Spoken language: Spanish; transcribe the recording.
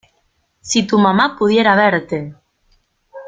¡Si tu mamá pudiera verte!